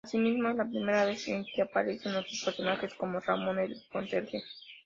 Asimismo, es la primera vez en que aparecen otros personajes como Ramón el conserje.